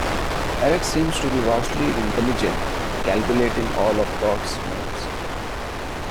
Eric seems to be vastly intelligent, calculating all of Dodd's moves.